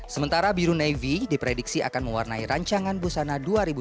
sementara biru navy diprediksi akan mewarnai rancangan busana dua ribu dua puluh